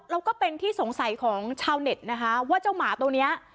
แล้วก็เป็นที่สงสัยของชาวเน็ตนะคะว่าเจ้าหมาตัวเนี้ย